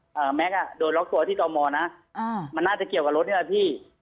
แม็กซ์อ่ะโดนล็อกตัวที่ต่อมอนะอ่ามันน่าจะเกี่ยวกับรถนี่แหละพี่